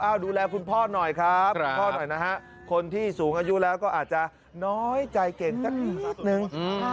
อ้าวดูแลคุณพ่อหน่อยครับคนที่สูงอายุแล้วก็อาจจะน้อยใจเก่งสักนิดนึง